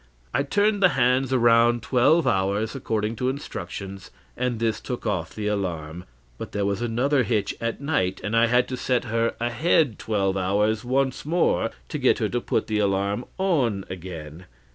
I turned the hands around twelve hours, according to instructions, and this took off the alarm; but there was another hitch at night, and I had to set her ahead twelve hours once more to get her to put the alarm on again.